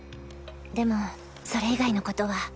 でもそれ以外のことは。